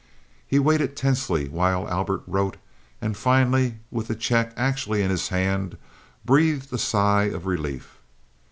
He waited tensely while Albert wrote, and finally, with the check actually in his hand, breathed a sigh of relief.